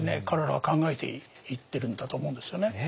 彼らは考えていってるんだと思うんですよね。